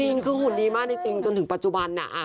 จริงคือหุ่นดีมากจริงจนถึงปัจจุบันน่ะ